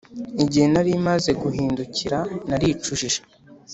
Igihe nari maze guhindukira naricujije